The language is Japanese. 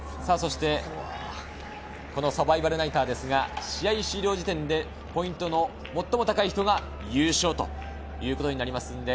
このサバイバルナイターですが、試合終了時点でポイントの最も高い人が優勝となります。